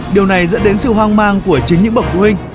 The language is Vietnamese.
điều này dẫn đến sự hoang mang của chính những bậc phụ huynh